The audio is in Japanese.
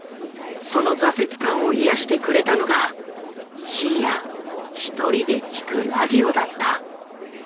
その挫折感を癒やしてくれたのが深夜１人で聴くラジオだった。